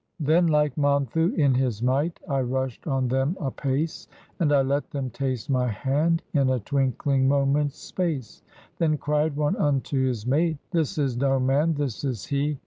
Then, like Monthu in his might, I rushed on them apace. And I let them taste my hand In a twinkling moment's space. Then cried one unto his mate, "This is no man, this is he.